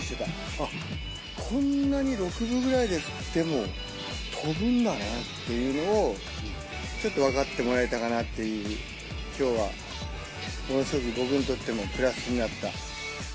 あっ、こんなに６分ぐらいで振っても、飛ぶんだなっていうのを、ちょっと分かってもらえたかなっていう、きょうはものすごく僕にとってもプラスになった。